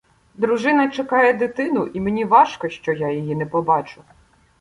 Дружина чекає дитину, і мені важко, що я її не побачу.